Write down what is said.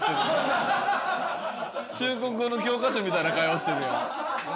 中国語の教科書みたいな会話してるやん。